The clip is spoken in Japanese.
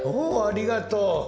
おおありがとう。